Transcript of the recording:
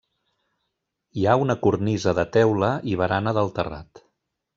Hi ha una cornisa de teula i barana del terrat.